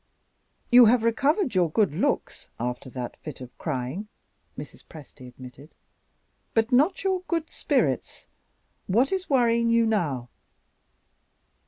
"You have recovered your good looks, after that fit of crying," Mrs. Presty admitted, "but not your good spirits. What is worrying you now?"